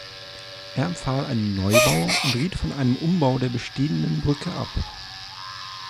Er empfahl einen Neubau und riet von einem Umbau der bestehenden Brücke ab.